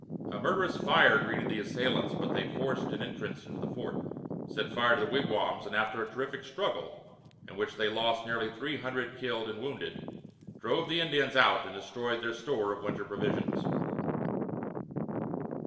A murderous fire greeted the assailants, but they forced an entrance into the fort, set fire to the wigwams, and after a terrific struggle, in which they lost nearly three hundred killed and wounded, drove the Indians out and destroyed their store of winter provisions.